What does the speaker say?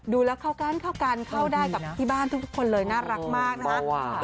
ดูแล้วเขากันเข้าได้กับที่บ้านทุกคนเลยน่ารักมากนะครับ